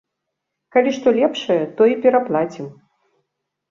Калі што лепшае, то і пераплацім.